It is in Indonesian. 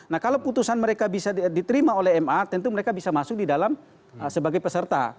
nah kalau putusan mereka bisa diterima oleh ma tentu mereka bisa masuk di dalam sebagai peserta